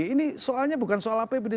ini soalnya bukan soal apbd